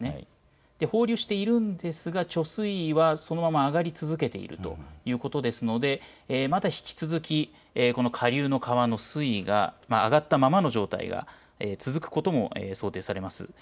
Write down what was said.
放流しているんですが貯水はそのまま上がり続けているということですので引き続きこの下流の川の水位が上がったままの状態が続くことが想定されます。